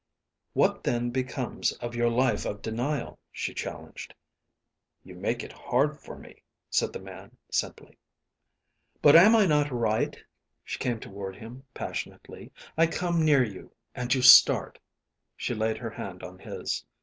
"What then becomes of your life of denial?" she challenged. "You make it hard for me," said the man, simply. "But am I not right?" She came toward him passionately. "I come near you, and you start." She laid her hand on his.